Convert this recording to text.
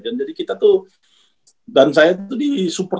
dan jadi kita tuh dan saya tuh disuruh untuk di support